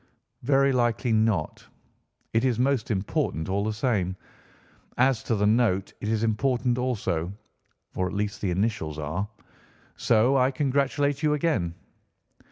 "Very likely not. It is most important, all the same. As to the note, it is important also, or at least the initials are, so I congratulate you again."